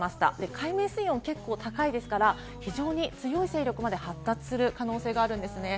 海面水温が結構高いですから、非常に強い勢力まで発達する可能性があるんですね。